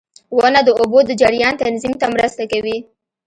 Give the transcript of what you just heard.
• ونه د اوبو د جریان تنظیم ته مرسته کوي.